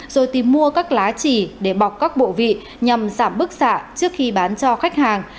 rồi tìm mua các lá chỉ để bọc các bộ vị nhằm giảm bức xạ trước khi bán cho khách hàng